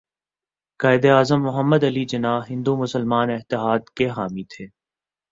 قائداعظم محمد علی جناح ہندو مسلم اتحاد کے حامی تھے